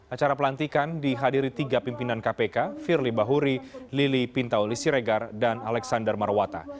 acara pelantikan dihadiri tiga pimpinan kpk firly bahuri lili pintauli siregar dan alexander marwata